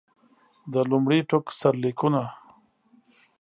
د لومړي ټوک سرلیکونه.